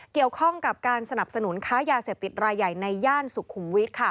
เกี่ยวข้องกับการสนับสนุนค้ายาเสพติดรายใหญ่ในย่านสุขุมวิทย์ค่ะ